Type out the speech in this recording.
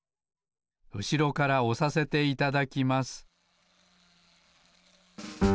うしろからおさせていただきます